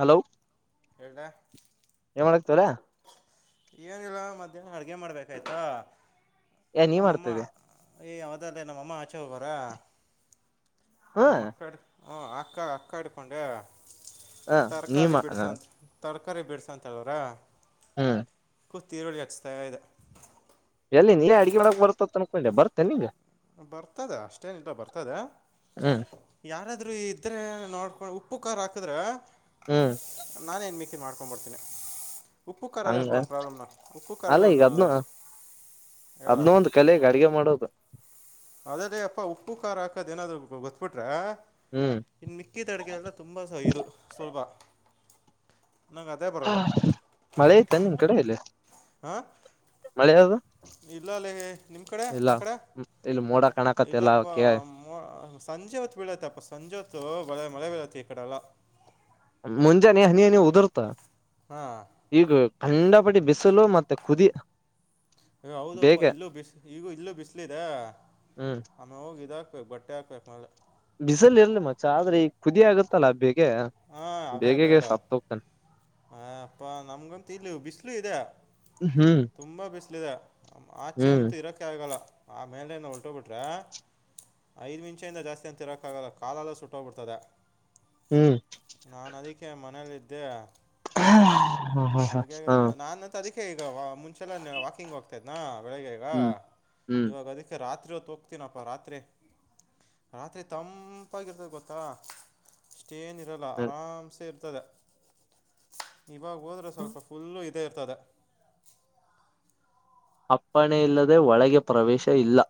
Hello ಹೇಳ್ದೆ ಏನ ಮಾಡಕಹತ್ತೀಲೆ ಏನಿಲ್ಲ ಮಧ್ಯಾಹ್ನ ಅಡುಗೆ ಮಾಡ್ಬೇಕಾಯ್ತಾ ಏ ನೀವ್ ಮಾಡ ನಮ್ಮಮ್ಮ ತಿದ್ದಿಯ ಏ ಅವದಲ್ಲೇ ನಮ್ಮ ಅಮ್ಮ ಆಚೆ ಹೋಗೋರೆ ಹ ನಂದ ಮಕ್ಕಳ ಡ [inaudible] ಹ್ಞೂ ಅಕ್ಕ ಅಕ್ಕ ಇಡ್ಕೊಂಡೆ ಹಾ ನೀಮ ತರಕಾರಿ ಬಿಡ್ಸಂತ ಹೇಳವ್ರೇ ಹ್ಮ್ ಕೂತಿ ಈರುಳ್ಳಿ ಹಚ್ತಾಯ ಇದೆ ಎಲ್ಲಿ ನೀಲ್ಲೇ ಅಡುಗೆ ಮಾಡಕಕ್ ಬರ್ತ್ತ ಅನ್ಕೊಂಡ್ರೆ ಬರ್ತೆ ನಿಂಗ ಬರ್ತದ ಅಷ್ಟೇನಿಲ್ಲ ಬರ್ತದ ಹ್ಮ್ ಯಾರಾದ್ರೂ ನೋಡ್ಕೊಂಡು ಉಪ್ಪು ಖಾರ್ ಹಾಕಿದ್ರೆ ಹ್ಮ್ ನಾನ ಏನ್ ಮ ಮಾಡ್ಕೊಂಡಂಬಡ್ತೀನಿ ಹಂಗ ಅಲ್ಲ ಅದೇ ಈಗ ಒಂದು ಅದನು ಹೇಳೋ ಅದನ ಒಂದ ಕಲೆಗ್ ಅಡ್ಗೆ ಮಾಡೋದು ಅದದೇ ಅಪ್ಪಾ ಉಪ್ಪು ಖಾರ್ ಹಾಕದ ಏನಾದ್ೂ ಗೊತ್ ಬಿಿಟ್ರೆ ಹ್ಮ್ ಇನ್ನು ನಿಕ್ಕಿತ ಅಡಗೆ ಎಲ್ಲ ತುಂಬಾ ಸ ಇದು ಸುಲ್ಪ ಹ ಮಳೆ ಇತ ನಿಮ್ ಕಡೆ ಇಲ್ಲಿ ಹ ಮಳೆ ಅದು ಇಲ್ಲ ಅಲ್ಲ ನಿಮ್ ಕಡೆ ಇಲ್ಲ ಆ ಕಡೆ ಇಲ್ಲಿ ಮೋಡ ಕಾಣಕತ್ತಲ್ಲ ಇಲ್ಲಪ್ಪ ಸಂಜೆ ಹೊತ್ತು ವೀಳತ್ತ ಅಪ್ಪ ಸಂಜೆ ಹೊತ್ತುಳೆ ಮಳೆ ಬೀಳತೆ ಈ ಕಡೆಲ್ಲ ಮುಂಜಾನೆ ಹನಿ ಹನಿ ಉದುರ್ತಾ ಹಾಂ ಈಗ ಖಂಡ ಪಡಿ ಬಿಸಲು ಮತ್ತೆ ಕುದಿ ಯ ಹೌದಪ್ಪಾ ಬೇಗೆ ಇಲ್ಲೂ ಬಿಸ್ ಈಗೂ ಇಲ್ಲೂ ಬಿಸ್ಲಿದೆ ಹ್ಮ್ ಆಮೇ ಹೋಗಿದ ಬಟ್ಟ್ಯಾೆ ಬಿಸಲ್ ಇರ್ಲಿ ಮಚ್ಚ ಆದ್ರೆ ಈಗ ಕುದಿಯ ಆಗುತ್ತಲ್ಲ ಬೇಕು ಹಾ ಅೇ ಅೆ ಹೇಳ ಆ ಅಪ್ಪ ನಮ್ಗಂತ ಇಲ್ಲಿ ಬಿಸಲು ಇದೆ ಹ್ಮ್ ತುಂಬಾ ಬಿಸ್ಲು ಇದೆ ಆಚೆ ಹ್ಮ್ ಅಂತೂ ಇರೋಕೆ ಆಗಲ್ಲ ಆ ಮೇಲೆನ ಹೊಲ್ಟೋಗ್ಬಿಟ್ರೆ ಐದು ನಿಮಿಷದಿಂದ ಜಾಸ್ತಿ ಅಂತ ತಿರಕ್ಕಾಗಲ್ಲ ಕಾಲೆಲ್ಲ ಸುಟ್ಟೋಗ್ಬಿಡ್ತದೆ ಹ್ಮ್ ನಾನ್ ನದಕ್ಕೆ ಮ ಮನೇಲ್ಲಿದ್ದೇ ಹಾ ಹಾ ಹಾ ಹ ಓಕೆ ಈಗ ಮುಂಚೆಲ ವಾಕಿಂಗ್ ಹೋಗ್ತಾ್ನಾ ಬೆಳಿಗ್ಗೆ ಈಗ ಹ್ಮ್ ಹ್ಮ್ ಇವಾಗ ಅದಕ್ಕೆ ರಾತ್ರಿ ರಾತ್ರಿ ಹೊತ್ ಹೋಗತೀನಪ್ಪ ರಾತ್ರಿ ರಾತ್ರಿ ತಂಪಾಗಿರ್ತದ ಗೊತ್ತಾ ತಏನ್ ಲ್ಲ ಆರಾಮಸ ತದ ಇವಾಗ ಹೋದ್ರೆ ಸ್ವಲ್ಪ ಫುಲ್ು ಇ ತೇರ್ತದೆ ಅಪ್ಪಣೆೆಯಲ್ಲದೆ ಒಳಗೆ ಪ್ರವೇಶ ಇಲ್ಲ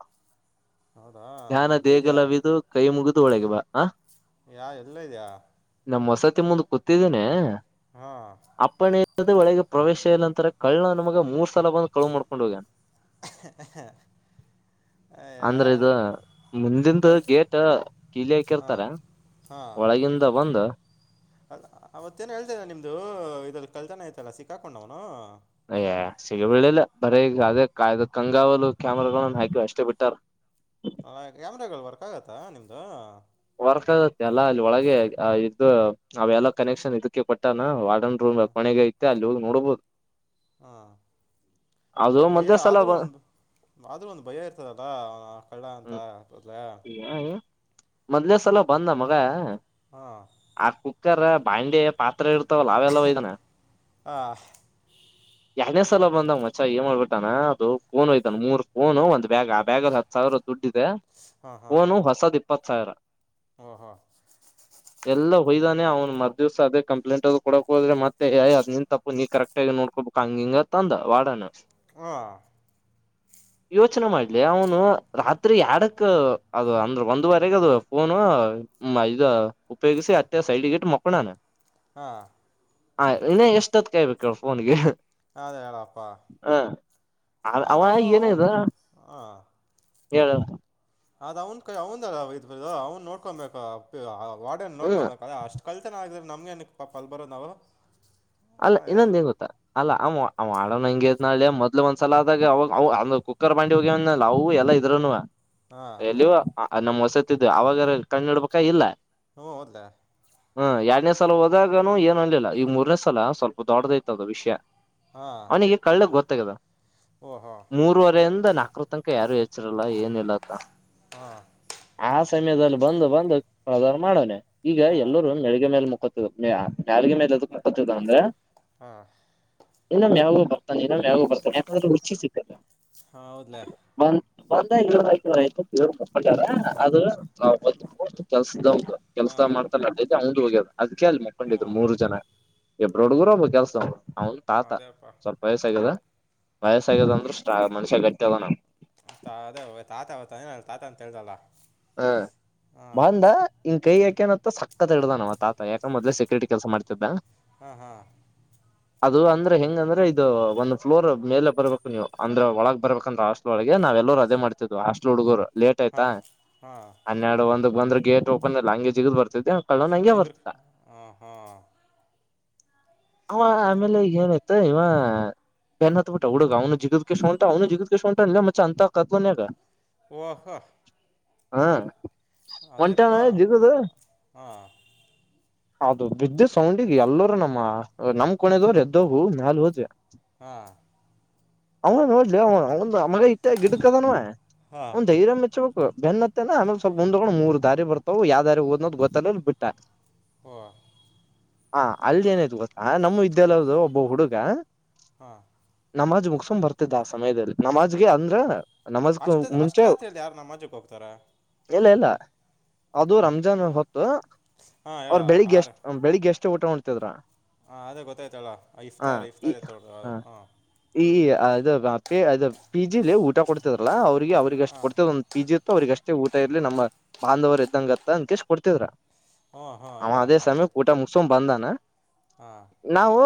ಹೌದಾ ್ಞಾನ ಎಲ್ಲಿದ್ಯಾ ದೇಗಲವಿದು ಕೈ ಮುಗಿದು ಒಳಗೆ ಬಾ ಹ ಯಾ ಎಲ್ಲ ಇದೆಯಾ ನಮ್ಮ ಹೊಸತಿ ಮುಂದ ಗೊತ್ತಿದ್ದೇನನೆ ಹಾಂ ಅಪ್ಪನೇಳಗ ಪ್ರವೇಶ ಎಲ್ಲ ನಂತರ ಕಳ್ಳ ನಮಗ ಮೂರ್ ಸಲ ಬಂದು ಕಳ್ು ಮಾಡ ಕೊುೋಗಾ ಅಯ ಅಂದ್ರೆ ಇದು ಮುಂದಿಂದ ಗೇಟ್ ಕೀಲಿ ಹ ಹಾಕಿರ್ತಾರ ಹಾ ಒಳಗಿಂದ ಬಂದ ಮತ್ತೇನ್ ಹೇಳ್ತರ ನಿಮ್ದು ಇದ ಕಲ್ತನ ಆಯತಲ್ಲ ಸಿಕ್ಕಾಕೊಂಡ್ವ್ನು ಅಯ್ಯೇ ಸಿಗಬಳ್ಳಿಲ್ಲ ಬರ ಈಗ ಅದೇ ಕಾಯ್ದ ಕಂಗಾವಲು ಕ್ಯಾಮರಾಗನ್ನ ಹಾಕಿವ ಅಷ್ಟೇ ಬಿಟ್ಟಾರ ಹ ಕ್ಯಾಮ್ರಾಗಳ ವರ್ಕ್ ಆಗತ್ತ ನಿಮ್ದು ಲ್ಲ ಅಲ್ಲಿ ಒಳಗೆ ಇದ ಅವೆಲ್ಲ ಕನೆಕ್ಷನ್ ಇದಕ್ಕೆ ಕೊಟ್ಟ ರೂ ಕೊನೆಗಾಯ ಅ ಅಲ್ಲೋದು ನೋಡ್ಬೋದು ಹಾ ಅದು ಇ ಭಯ ಮೊದ್ಲೇ ಸಲ ಆದ್ರೂ ಬ ಒಂದ ಆದ್ರೂ ಒಂದ್ ಭಯ ಇರ್ತದಲ್ಲ ಅವ ಕಳ್ಳ ಅಂತ ಮೊದ್ಲ ಮೊದ್ಲೇ ಸಲ ಬಂದ ಮಗ ಹಾಂ ಆ ಕುಕ್ಕರ್ ಬಾಂಡ ಪಾತ್ರ ಎ ಹವಲ್ಲ ಅವೆಲ್ಲ ಒಯತಾನ ಹಾಂ ಎರನೇ ಸಲ ಬಂದ ಮಚ ಏನ್ ಮಾಡ್ಬಿಟ್ಟಾನ ಅದು ಫೋನ್ಯ್ದನ್ ಮೂರ್ ಫೋನ್ ಒಂದ್ ಬ್ಯಾಗ್ ಆ ಬ್ಯಾಗಲ್ಲಿ ಹತ್ ಸಾವಿರ ದುಡ್ಡ ಇದೆ ಹಾಂ ಹಾಂ ಓನು ಹೊಸದಿಪ್ ಪತ್ತು ಸಾಯರ ಓಹೋ ಹೊಯ್್ದಾನೆ ಅವ್ ಮರ್ ದಿವ್ಸ ಅದೇ ಕಂಪ್ಲೇಂಟ್ ಅದು ಕೊಡಕಕ್ೋದ್ರ ಮತ್ತೆಯ ಅದ್ ನಿನ್ ತಪ್ಪು ನೀ ಕರೆಕ್ಟ್ ಆಗ ನೋಡ್ಕೋಬೇಕಕ್ ಹಂಗ ಹಂಗ ಅಂದವಾಡಣ ಹ ಯೋಚನೆ ಮಾಡ್ಲಿ ಅವನು ರಾತ್ರಿ ಎರಡಕ್ ಅದು ಅಂದ್ರ ಒಂದುವರೆಗೆ ಅದು ೋನು ಇದ ಉಪಯೋಗಿಸಿ ಅತ್ತೆ ಸೈಡ್ಗಿಟ್ಟ ಮಕ್ಕಣಾನ ಹಾ ಹ ಇನ್ನೇ ಎಷ್ಟ ಹತ್್ ಕಾಯ್ಬೇಕ ಫೋನ್ಗೆ ಅದೇ ಹೇಳಪ್ಪಾ ಹ ಅವ ಅದ ಅವ್ನ್ ಹಾ ಹೇಳ್ ಹೇಳ್ ಅದ್ ಅವನ್ ಕೈ ಅವಂದ ಇದು ಅವ್ನ್ ನೋಡ್ಕೊಬೇಕ ಪಿ ಯ ವಾಡನ್ ಹ್ಮ್ ನೋಡ್ಕೊಬೇಕ ಅಷ್ಟ ಕಲ್ತನ ಆಗ್ರ್ ನಮ್ಗೆ ಏನ ಪಾಪ ಅಲ್ ಬರೋದ್ ನಾವು ಅಲ್ಲ ಹಾಂ ಎಸ್ ಇನ್ನೊಂದೇನ್ ಗೊತ್ತಾ ಅಲ್ಲ ಆವಾ ಆಳೋ ಹಂಗ ಇದ್ ನಾಳೆ ಮೊದ್ಲು ಒಂದ್ಸಲ ಆದಾಗ ಅವಾಗ ಕುಕ್ಕರ್ ಬಾಂಡಿ ಹೋಗ್ಯವಂದನಲ ಅವು ಎಲ್ಲ ಇದ್ರುನುವೆ ಹಾಂ ಎಲ್ಲಿವ ಅ ನಮ್ ಹೊಸತ್ತಿದ್ದು ಅವಾಗ ಕಣ್ಣ ಹಿಡ್ಬೇಕ ಇಲ್ಲ ಹ್ಮ ಹೌದ್ಲಾ ಹ್ಮ ಎರಡನೇ ಸಲ ಹೋದಾಗನು ಏನ್ ಅನ್ಲಿಲ್ಲ ಈಗ ಮೂರನೇ ಸ ಲ್ಲ ಸ್ವಲ್ಪ ದೊಡ್ಡದೈತದ ವಿಷಯ ಹಾಂ ಅವನಿಗೆ ಕಳ್ಳ ಗೊತ್ತ ತ್ತಗದ ಓಹೋ ಮೂರುವರೆಯಿಂದ ನಾಲ್ಕು ತನಕ ಯಾರು ಹೆಚ್ಚರಲ್ಲ ಏನಿಲ್ಲತ್ತ ಹಾಂ ಆ ಸಮಯದಲ್ಲಿ ಬಂದು ಬಂದು ಪ್ರಧಾನ ಮಾಡವನೆ ಈಗ ಹಾಂ ಎಲ್ಲರೂ ಮೆಳಗೆ ಮೇಲೆ ಮುಖತ್ ನಾಲಿಗೆ ಮೇಲೆ ಎದುಕ ಹತ್ತುದ ಅಂದ ಹಾಂ ಹಾಂ ಇನ ಮ್ಯಾವ್ ಮೇ ಬರ್ [unintelligible] ಯಾಕಂದ್ರ ರುಚಿ ಸಿಕ್ಕದ. ಹ ಹೌದ್ಲೆ ಬಂದ ಆಯತ ಕಪಟ್ಟಾರ ಅದು ನ ಕೆಲ್ಸದವ್ನ್ ಕೆಲ್ಸ ಹಾಂ ಮಾಡ್ತಲ್ಲ ಅದೇದ ಅವ್ನ್ ಹೋಗ್ಯದ ಅದ್ಕ ಅಲ್ಲಿ ಹ್ಞೂ ಮಕೊಂಡಿದ್ರು ಮೂರು ಜನ ಇಬ್ರುಡುಗೃ ಒಬ್ ಕೆಲ್ಸದವ ಅವನ್ ತಾತ ಅದೇಪ್ಪ ಸ್ವಲ್ಪ ವಯಸ್ಸ ಆಗ್ಯದ ಹ್ಞೂ ವಯಸ್ಸಾಗ್ಯದ ಅಂದ್ರಷ್ಟ ಮನುಷ್ಯ ಗಟ್ಟಿಅದಾನವ ಏನ ತಾತ ಅಂತ ಹೇಳ್ದಲ್ಲ ಹ್ಮ ಹಾಂ ಬಂದ ಇನ್ ಕೈ ಯಾಕ್ಯನ ಸಕ್ಕತ್ ಹ ಇಡ್ದಾನ ಅವ ತಾತ ಯಕ ಮೊದ್ಲೆ ಸೆಕ್ಯೂರಿಟಿ ಕೆಲಸ ಮಾಡ್ತಿದ್ದ ಹ್ಮ ಹಾ ಅದು ಅಂದ್ರೆ ಹೆಂಗ ಅಂದ್ರೆ ಇದು ಒಂದ ಫ್ಲೋರ್ ಮೇಲೆ ಬರ್ಬೇಕು ನೀವು ಅಂದ್ರೆ ಒಳಗ್ ಬರ್ಬೇಕಂದ್ರ ಹಾಸ್ಟೆಲ್ ಒಳಗೆ ನಾವ್ ಎಲ್ಲರು ಅದೇ ಮಾಡ್ತಿದ್ ಹಾಸ್ಟೆಲ್ ಹುಡ್ಗರು ಲೇಟ್ ಆಯ್ತಾ ಹಾಂ ಹಾಂ ಹನ್ನೆರಡು ವ ಒಂದು ಬಂದ್ರ ಗೇಟ್ ಓಪನ್ ಇಲ್ಲ ಹಂಗೆ ಜಿಗಿದ್ ಬರ್ತಿದ್ದೆ ಕಳ್ಳನ್ ಹಂಗೆ ಎಗರು ಬರ್ತಿದ್ದ ಹ ಹಾ ಅವ ಆಮೇಲೆ ಈಗ ಏನಾಯಯ್ತ ಇವ ಬೆನ್ ಹತ್ ಬಿಟ್ಟ ಹುಡುಗ ಅವ್ನು ಜಿಗದ್ೇಶ ಉಂಟ ಅವನು ಜಿಗದಗೆ್ ಉಂಟ ಇಲ್ಲ ಮೆ ಅಂತ ಕತ್ನ್ಯಗ ವಾಹ ಹಾ ಅದೆೇಪ್ಪ ಹಾ ಹೌದು ಬಿದ್ದೆ ಸೌಂಡಿಗೆ ಎಲ್ಲರೂ ನಮ್ಮ ನಮ್ ಕಣದವ್ರು ಎದ್ದೋಗ ಮ್ಯಾಲ ಹೋದ ಹ್ಮ್ ಅವ ನೋಡ್ಲಿ ಅವ ಮಗ ಇಟ್ಟ ಗಿಡ್ಕ್ದನು ಹಾಂ ಒಂದು ಧೈರ್ಯ ಮೆಚ್ಚಬೇಕು ಬೆನ್ನತ್ತೇನ ಆಮೇಲೆ ಸ್ವಲ್ಪ ಮುಂದೊಂಡ್ ಮೂರ್ ದಾರಿ ಬರ್ತಾವವು ಯಾವ ದಾರಿ ಓದ್ೋದು ಗೊತ್ತಾಲ್ ಬಿಟ್ಟ ವ ಹಾ ಅಲ್ಲಿ ಏನಾಯ್ತು ಗೊತ್ತಾ ನಮ್ಮ ವಿದ್ಯಾಲಯದು ಒಬ್ಬ ಹುಡುಗ ಹಾ ನಮಾಜ್ ಮುಗಸುಂಬ್ ಬರ್ತಿದ ಆ ಸಮಯದಲ್ಲಿ ನಮಾಜ್ಗೆ ಅಂದ್ರ ನಮಾಜ್ಕ್ ಅಷ್ಟ್ ಅಷ್ಟ ಮುಂಚೆ ರಾತ್ರಿ ಅಲ್ಲಿ ಯಾರ ನಮ್ಮ ಮಜ್ಜಕ್ಕೆ ಹೋಗ್ತಾರ ಇಲ್ಲ ಇಲ್ಲ ಅದು ರಂಜಾನ್ ಹೊತ್ತು [unintelligible] ಹಾಂ ಹೇಳ ಅವರು ಬೆಳಿಗ್ ಎಷ್ಟ ಬೆಳಿಗ್ಗೆ ಎಷ್ಟ ಊಟ ಮಾಡ್ತಾ ಇದ್ದೀರಾ ಹಾ ಅದೇ ಗೊತ್ತಾಯ್ತ ಅಲ್ಲ ಇಫ್ತಾರ್ ಈ ಇಫ್ತಾರ್ ಎತ್ತ ಹ ಈ ಅದು ಅ ಪಿ ಜಿಲಿ ಊಟ ಕೊಡ್ತದಲ್ಲ ಅವ್ರಿಗೆ ಅವ್ರಿಗೆ ಎಷ್ಟು ಕೊಡ್ತದ ಒಂದು ಪಿ ಜಿ ಅವ್ರಗ ಅಷ್ಟೇ ಊಟ ಇರ್ಲಿ ನಮ್ಮ ಬಂಧವರು ಇದ್ದಂಗತ್ತ ಅನ್ ಕೆೇಶ ಕೊಡ್ತಿದ್ರ ಹ್ಞೂ ಹ್ಞೂ ಅವನ ಹೇಳ ಅದೇ ಅರ್ಥ ಸಮಯಕ್ಕೆ ಆಯ್ತು ಊಟ ಮುಗಿಸಿಕೊಂಡು ಬಂದಾನ ಹಾಂ ನಾವು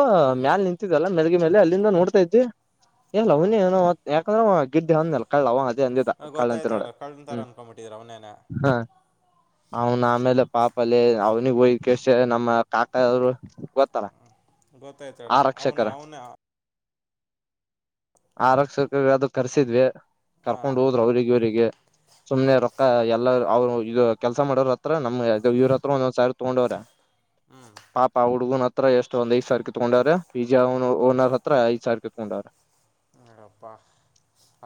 ಮ್ಯಾಲೆ ನಿಂತಿದಲ್ಲ ಮೆಲ್ಗೆ ಮೇಲೆ ಅಲ್ಲಿಂದ ನೋಡ್ತಾ ಇದ್ವಿ ಎಲ್ಲ ಹಾಂ ಅವನಏ ಯಾಕಂದ್ರ ಬಿದ್ದ ಹಂದ್ನಲ್ಲ ಕಳ್ಳ ಹ ಅದೇ ಅಂದಿದ್ದ ಕಳಂತ ಗೊತ್ತಾಯ್ತು ನೋಡ ಹೇಳ ಕಳ್ಳನ ಥರ ಹ್ಮ್ ಅನ್ಕೊಂಬಿಟ್ಟಿದ್ರು ಅವನೇನೆ ಹ ಅವನ ಆಮೇಲೆ ಪಾಪಲ್ಲಿ ಅವ ವೈನ್ ಕೇಶ ನಮ್ಮ ತಾತ ಅವರು ಬತರ ಗೊತ್ತಾಯ್ತಾಡ ಅವನ ಅವನ ಆರಕ್ಷಕ ಅದು ಕರ್ಸಿದ್ವಿ ಹಾಂ ಕರ್ಕೊಂಡ್ ಹೋದ್ರರು ಅವ್ರರಿಗೆ ಇ ಅವರಿಗೆ ಸುಮ್ನೆ ಹಾಂ ರೊಕ್ಕ ಎಲ್ಲ ಅವರು ಇದು ಕೆಲಸ ಮಾಡೋರ ಹತ್ರ ನಮ ಇವ್ರ ಹತ್ರ ಒಂದೊಂದ್ ಸ ತೋಂಗೋಡರ ಪಾಪ ಆ ಉಡ್ಗ ಹತ್ರ ಎಷ್ಟೊ ಒಂದ ಐದು ಸಾವಿರ ತಗೊಂಡ್ರರೆ ಬಿಜ ಓನರ್ ಹತ್ರ ಐದ್ ಸಾವಿರ ತಗೊಂಡಾರೆ ಹಪ್ಪಾ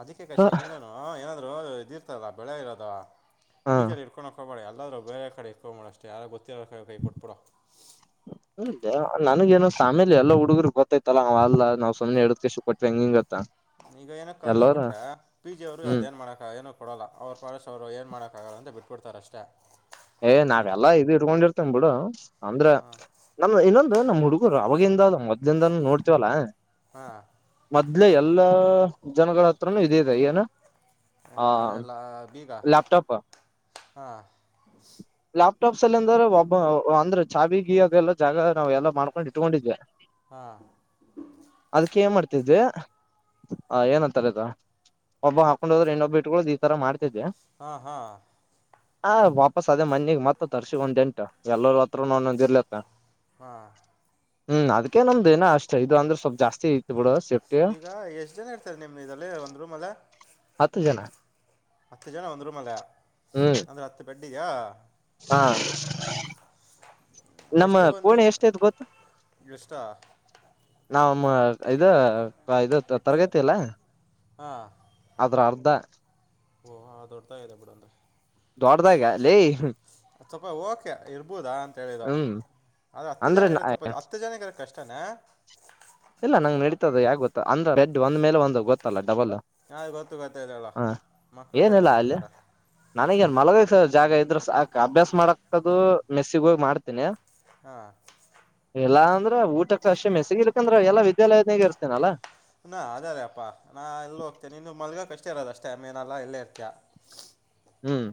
ಅದಕ್ಕೆ ಕಾಶಿ ನೀನನು ಏನಾದ್ರು ಇದಿರ್ತದ ಬೆಳೆ ಇರೋದಾ ಹ ಟೀಚರ್ ಇಟ್ಕೊನಾಕ್ ಹೋಗಬಾರದು ಅಲ್ಲ ಬೇರೆಕಡೆ ಇಪ್ರೂ ಮಾಡಷ್ಟೇ ಕೈ ಕೊಟ್ಬಿಡು ನನಗೆನೊ ಸಾಮೇಲಿ ಎಲ್ಲ ಹುಡುಗರು ಗೊತ್ತೈತಲ್ಲ ಅವ್ ಅಲ್ಲ ನಾವು ಸುನೆ ಹೇಳಡ್ ಕೇಶ ಕೊಟ್ಟ್ಟವಿ ಹೆಂಗ ಹಿಂಗತ್ತ ಈಗ ಏನಕ್ ಕಲ್ದ್ ಬಿಟ್ರೆ ಪಿ ಜಿ ಅವ್ರು ಅದ ಹ್ಮ್ ಏನ್ ಮಾಡಕ ಏನಕ್ ಕೊಡಲ್ಲ ಅವ್ರ ಪಟ್ ಅವರು ಕಾಗಲ್ಲಂತ ಬಿಟ್ಬಿಡ್ತಾರ ಅಷ್ಟೇ ಏ ಅದಕ್ಕೆ ನಾವೆಲ್ಲಾ ಇದ್ ಇಡ್ಕೊಂಡಿರ್ತೇನ್ ಬಿಡು ಅಂದ್ರ ನಮ್ದ ಇನ್ನೊಂದು ನಮ್ ಹುಡುಗ ಅವವಾಗಿಂದ ಅದು ಮೊದ್ಲಿಂದಾನ ನೋಡ್ತವಲ್ಲಾ ಹಾಂ ಮದ್ಲೆೇ ಎಲ್ಲಾ ಜನಗ ಪ್ರಮೀ ಇದು ಇದು ಏನು ಏನ ಆ ಅದೆಲ್ಲಾ ಬೀಗ ಲ್ಯಾಪ್ಟಾಪ್ ಹಾ ಲಾಪ್ಟಾಪ್ಸ್ ಅಲ್ಲಿಂದ್ರ ಒಬ್ಬ ಅಂದ್ರೆ ಚಛಿ ಗಿ ಅದೆಲ್ಲ ಜಾಗ ನಾವ ಎಲ್ಲಾ ಮಾಡ್ಕೊಂಡ್ ಇಟ್ಕೊಂಡಿದ್ವಿ ಹಾಂ ಅದಕ್ಕೆೇನ್ ಮಾಡ್ತಿದ್ ಹ ಏನ್ಂತಾರಧೂ ಒಬ್ಬ ಹಾಕೊಂಡು ಹೋದ್ರೆ ಇನ್ನೊಬ್ ಇತ್ಕೊಳೊಧ್ ಈ ತರ ಮಾಡ್ತಿದ್ಯಾ ಹಾ ಹಾ ಹಾ ವಾಪಾಸ್ ಅದ ಮನೆಗ್ ಮತ್ತತ್ ತರ್ಸಿವಿ ಎಂಟ ಎಲ್ಲರೂ ಹತ್ರ ನೂ ಒಂದೊಂದು ಇರ್ಲತ್ತ ಹಾ ಹ್ಮ್ ಅದ್ಕ ನಮ್ದ ಏ ಅಷ್ಟ ಇದು ಅಂದ್ರೆ ಸ್ವಲ್ಪ್ ಜಾಸ್ತಿ ಐತ್ತು ಬಿಡ ಈಗ ಎಷ್ಟ್ ಜನ ಇರ್ತಾರೆ ನಿಮ್ ಇದಲ್ಲಿ ಒಂದ್ ರೂಮ್ ಅಲ್ಲ ಹತ್ತು ಜನ ಹತ್ತು ಜನ ಒಂದು ರೂಮ್ ಅಲ್ಲ ಅಂದ್ರೆ ಹತ್ತು ಪಟ್ಟ ಈಗ ಹಾ ನಮ್ಮ ಎಷ್ಟು ಒಂದು ಕೋಣೆ ಎಷ್ಟೇ ಆಯಿತ್ ಗೊತ್ತ ಎಷ್ಟ ನಾವಮ್ಮ ಇದು ಇದು ತರಗತಿ ಅಲ್ಲ ಹಾ ಇದ್ರ ಅರ್ಧ ಓಹದೊಡ್ತಾ ದೊಡ್ಡಗ್ ಇರು ಬಂದ್ರೆ ದೊಡ್ಡಾಗ ಲೇ ಸ್ವಲ್ಪ ಓಕೆ ಇರಬಹುದು ಇರಬಹುದಾ ಅಂತ ಹೇಳಿದೆ ಹ್ಮ್ ಆದ್ರ ಹತ್ತು ಜನ ಅಂದ್ರೆ ಇರೋ ಸ್ವಲ್ಪ ಜಾಸ್ತಿ ಹತ್ತು ಜನ ಇರೋ ಕಷ್ಟನಾ ಅಂದ್ರೆ ಬೆಡ್ ಒಂದ ಮೇಲೆ ಒಂದ್ ಗೊತ್ತಲ್ಲ ಡಬಲ್ ಹಾ ಗೊತ್ತು ಗೊತ್ತಾಯ್ತು ಹೇಳು ಹಾ ಮಕ್ಕಳು ಬೆಡ್ ಏನಿಲ್ಲ ಅಲ್ಲಿ ಹತ್ಕೊಳ್ತಾರೆ ನನಗೆ ಮಲಗಿ ಜಾಗ ಇದ್ರ ಸಾಕ ಅಭ್ಯಾಸ ಮಾಡಕ್ತದು ಮೆಸ್ಸಿಗ ಹೋಗಿ ಮಾಡ್ತೀನಿ ಹಾ ಇಲ್ಲ ಅಂದ್ರೆ ಊಟಕ್ಕೆ ಅಷ್ಟೆ ಮೆಸಗಿ ಇರ್ಕಂದ್ರ ಎಲ್ಲಾ ವಿದ್ಯಾಲಯದನಾಗ ಇರ್ತೇನಲ್ಲಾ ಹಾ ಅದೇ ರೇಪ್ಪಾ ನಾ ಎಲ್ಲ ಹೋಗ್ತೇನೆ ನೀನು ಮಲ್ಗಕ್ಷ್ಟೇ ಇರೋದ ಅಷ್ಟೇ ಏನಲ್ಲಾ ಎಲ್ಲೇ ಇರ್ತೀಯ ಹ್ಮ್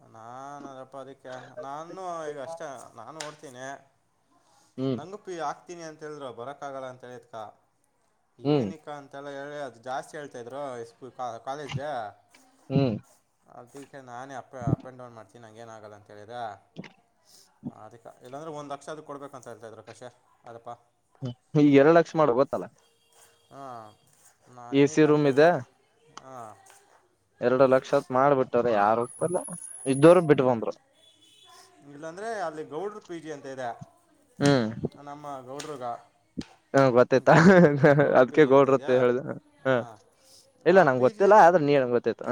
ನನ್ ನಾ.... ಅಲ್ಲ ಅಪ್ಪ ಅದಕ್ಕೆ ನಾನು ಈಗ ಅಷ್ಟೇ ನಾನು ಓಡ್ [inaudible] ಹ್ಮ್ ನಂಗು ಪಿ ಆಕ್ ಬರ್ತೀನಿ ಅಂತ ಹೇಳಿದ್ರು ಬರೋಕ್ಕಾಗಲ್ಲ ಅಂತ ಹೇಳಿದ್ಕಾ ಹ್ಮ್ ಏನಿಕಾ ಅಂತಲ್ಲ [inaudible] ಹ್ಮ್ ಅದಿಕ್ಕೆ ನಾನೇ ಅಪ್ ಅಂಡ್ ಡೌನ್ ಮಾಡ್ತೀನಿ ಏನ್ ಹಂಗೇನ್ ಆಗಲ್ಲ ಕೆಳದ ಅದಕ್ಕೆ ಇಲ್ಲಾಂದ್ರೆ ಒಂದ್ ಲಕ್ಷ ಅದಕ್ಕೆ ಕೊಡ್ಬೇಕಂತ ಇರ್ತ ಇದ್ರೆ ಕಷೆ ಅದಪ್ಪಾ ಈ ಎರಡ್ ಲಕ್ಷ ಮಾಡೋ ಗೊತ್ತಲ್ಲ ಹಾ... ಎ ಸಿ ರೂಮ್ ಇದೆ ಹ ಎರಡು ಲಕ್ಷತ್ ಮಾಡ್ಬಿಟ್ಟ್ರ ಯಾರ್ ಒಪ್ಪಲ್ಲ ಇಲ್ಲಾಂದ್ರೆ ಅಲ್ಲಿ ಗೌಡ್ರ ಪಿಜಿ ಅಂತ ಇದೆ ನಮ್ಮ ಗೌಡ್ರುಗ ಹ್ಮ ಗೊತ್ತೈತ ಅದ್ಕ ಜಿ ಗೌಡ್ರು ಅಂತ ಇದೆಯಾ ಹೇಳುದ ಹಾ ಹಾಂ ಇಲ್ಲ ಆ ನನ್ಗೆ ಪಿ ಗೊತ್ತಿಲ್ಲ ಜಿಯದು ಆದ್ರೆ ನೀ ಹೇಳಿದ್ರೆ ಗೊತ್ತಾಯಿತು.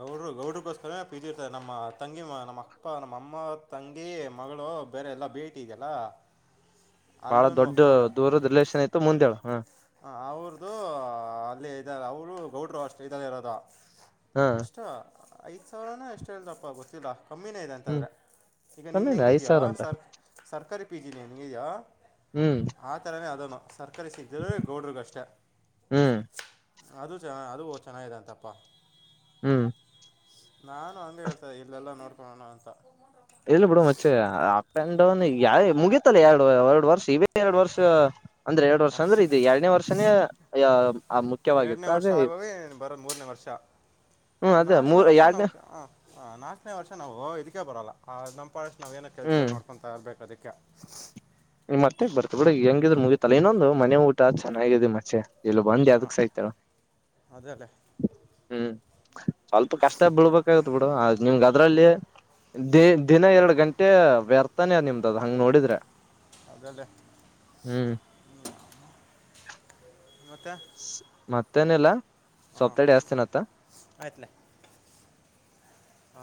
ಗೌಡ್ರು ಗೌಡ್ರಿಗೋಸ್ಕರ ಪಿ ಜಿ ಇರ್ತಾರೆ ನಮ್ಮ ತಂಗಿ ನಮ್ಮ ಅಪ್ಪ ನಮ್ಮಅಮ್ಮ ತಂಗಿ ಮಗಳು ಬೇರೆ ಎಲ್ಲಾ ಭೇಟಿ ಇದೆಲ್ಲ ಬಾಳ ದೊಡ್ಡ ದೂರದ ರಿಲೇಶಷನ್ ಐತತ್ತು ಮುಂದೆೇಳ ಹ ಹ ಅವ್ರದುು ಅಲ್ಲಿೇ ಇದಾರೆ ಅವರು ಗೌಡ್ರು ಅಷ್ಟ ಇದಲ್ಲಿ ಇರೋದ ಹ ಎಷ್ಟ ಐದು ಸಾವಿರನ ಎಷ್ಟುೇಳ್ತಪ್ಪ ಗೊತ್ತಿಲ್ಲ ಕಮ್ಮಿನೇ ಇದೆ ಹ್ಮ್ ಅಂತಂದ್ರೆ ಈಗ ನಿನ್ನ ಕಮ್ಮಿನ ಐದ್ ಹೆಂಗಿದೆಯ ಸಾವಿರ ಅಂದ್ರ ಸರ್ ಸರ್ಕಾರಿ ಪಿ ಜಿ ಲೇನಗೆ ಯ ಹ್ಮ್ ಆ ತರವೇ ಅಣ ಸರ್ಕಾರಿ ಇದರ ಗೌಡ್ರಗಷ್ಟ ಹ್ಮ್ ಅದು ಚ ಅದು ಚೆನ್ನಾಗಿದೆ ಅಂತಪ್ಪಾ ಹ್ಮ್ ನಾನು ಹಂಗ ಹೇತದೆ ಇಲ್ಲ ನೋಡ್ ಕೊಡೋಣ ಅಂತ ಇಲ್ಲ ಬಿಡ ಮಚ್ ಪಂಡೌನ್ ಮುಗೀತಲ್ಲ ಎರಡು ಎರಡ್ ವರ್ಷ ಇ ಎರಡು ವರ್ಷ ಅಂದ್ರೆ ಎರಡು ವರ್ಷ ಅಷ್ಟ ಅಂದ್ರೆ ಇದು ಎರಡನೇ ವರ್ಷನೇ ಇ ಎರಡನೇ ಮುಖ್ಯವಾಗಿತ್ತು ವರ್ಷ ಅದೇ ಆಗೋಗ ಬರೋದ ಮೂರನೇ ವರ್ಷ ಹ್ಮ್ ಅದೇ ನಾಲ್ಕನೇ ಮೂರ್ ವರ್ಷ ನಾವು ಎರಡನೇ ನಾಲ್ಕನೇ ವರ್ಷ ನಾವು ಇದಕ್ಕೆ ಬರೋಲ್ಲ ನಾವ ಏೋ ಕೆಲ್ಸಗಳು ಹ್ಮ್ ನಡ್ಕೊತಾ ಇರ್ಬೇಕ ಅಕ್ಕೆ ಕಾ ಈ ಮತ್ತೆ ಬರ್ತ ಬಿಡ ಹೆಂಗಿದ್ರ ಮುಗ ತಲೆ ಇನ್ನೊಂದು ಮನೆ ಊಟ ಚೆನ್ನಾಗಾಗಿದೆ ಮತ್ತೆ ಎಲ್ಲ ಬಂದಿ ಹಾಂ ಅದಕ್ ಸಾಯ್ತಾರ ಅದಲ್ಲೇ ಹ್ಮ್ ಸ್ವಲ್ಪ ಕಷ್ಟ ಬಿೀಳ್ಬೇಕಾಗತ್ ಬಿಡು ನಿಮ್ಗ ಅದ್ರಲ್ಲಿ ದ ದಿನ ಎರಡ್ ಗಂಟೆ ವ್ಯರ್ಥಾನೇ ನಿಮ್ದ ಅದ್ ಹಂಗ್ ನೋಡಿದ್ರೆ ಅದಲ್ಲೇ್ಮ ಹ್ಮ್ ಮತ್ತೆ ತನೆಲ್ಲ ಹಾಂ ಸೊಪ್ತಡೆ ಜಸ್ತೇನತ್ತ ಆಯ್ತಲೇ ಹಾಂ